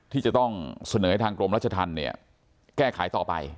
ที่จะต้องเสนอให้ทางกรมรัชธรรมเนี่ยแก้ไขต่อไป